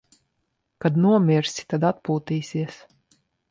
Kad nomirsi, tad atpūtīsies.